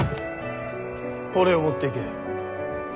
これを持っていけ。